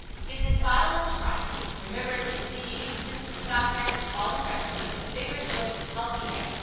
Get this bottle and try it. Remember its continued use tends to stop hair from falling by promoting a vigorous growth of healthy hair.